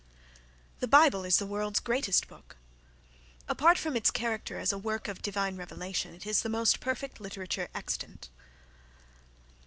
The Bible is the world's greatest book. Apart from its character as a work of divine revelation, it is the most perfect literature extant.